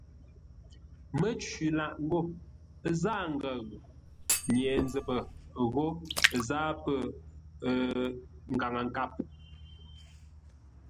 Mə́cwi lâʼ ngô: zâa ngəʉ. Nye-nzəpə ghó zâa pə̂ Ngaŋə-nkâp.